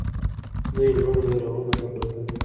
دوی لوړ بیرغونه درلودل